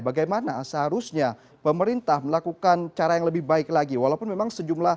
bagaimana seharusnya pemerintah melakukan cara yang lebih baik lagi walaupun memang sejumlah